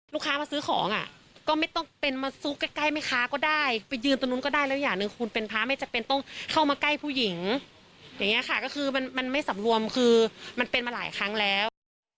ลูกค้ามาซื้อของอ่ะก็ไม่ต้องเป็นมาซุกใกล้แม่ค้าก็ได้ไปยืนตรงนู้นก็ได้แล้วอย่างหนึ่งคุณเป็นพระไม่จำเป็นต้องเข้ามาใกล้ผู้หญิงอย่างนี้ค่ะก็คือมันไม่สำรวมคือมันเป็นมาหลายครั้งแล้ว